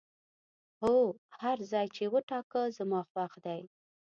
هو، هر ځای چې تا وټاکه زما خوښ دی.